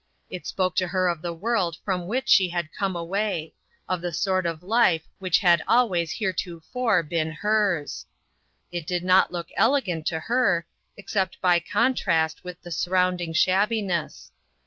It spoke to her of the world from which she had con:e away ; of the sort of life which had always hereto fore been hers. It did riot look elegant to her, except by contrast with the surround ing shabbiness.